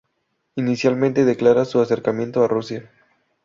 Inicialmente declara su acercamiento a Rusia.